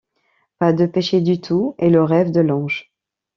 Pas de péché du tout est le rêve de l’ange.